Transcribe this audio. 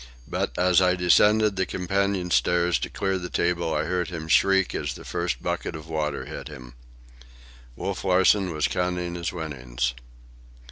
But as I descended the companion stairs to clear the table I heard him shriek as the first bucket of water struck him. Wolf Larsen was counting his winnings.